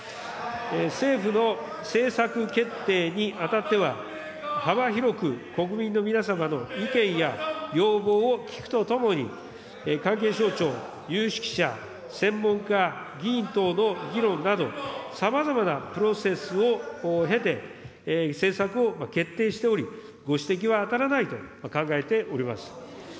政府の政策決定にあたっては、幅広く国民の皆様の意見や要望を聞くとともに、関係省庁、有識者、専門家、議員等の議論など、さまざまなプロセスを経て、政策を決定しており、ご指摘は当たらないと考えております。